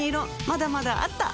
まだまだあった！